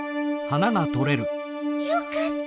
よかった。